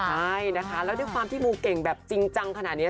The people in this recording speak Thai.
ใช่นะคะแล้วด้วยความที่มูเก่งแบบจริงจังขนาดนี้